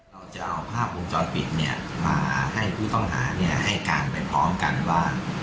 เราจะเอาภาพวงจรปิดมาให้ผู้ต้องหาให้การไปพร้อมกันว่า